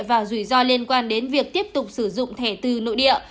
và rủi ro liên quan đến việc tiếp tục sử dụng thẻ từ nội địa